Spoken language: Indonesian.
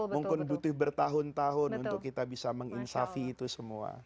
mungkin butuh bertahun tahun untuk kita bisa menginsafi itu semua